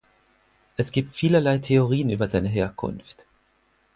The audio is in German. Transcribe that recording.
Es gibt vielerlei Theorien über seine Herkunft.